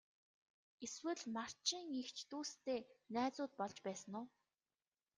Эсвэл Марчийн эгч дүүстэй найзууд болж байсан уу?